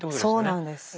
そうなんです。